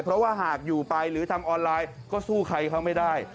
เพราะว่าหากอยู่ไปหรือทำออนไลน์ก็สู้ใครเขาไม่ได้